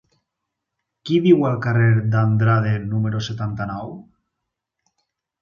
Qui viu al carrer d'Andrade número setanta-nou?